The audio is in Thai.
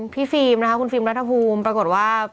ฟิล์มนะคะคุณฟิล์มรัฐภูมิปรากฏว่า